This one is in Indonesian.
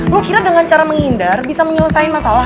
lu kira dengan cara menghindar bisa menyelesaikan masalah